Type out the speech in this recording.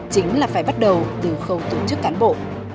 chính là phải bắt đầu từ khâu tổ chức cán bộ